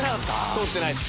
通ってないです。